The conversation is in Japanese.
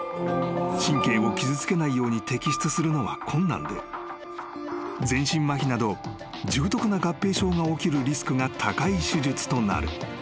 ［神経を傷つけないように摘出するのは困難で全身まひなど重篤な合併症が起きるリスクが高い手術となる］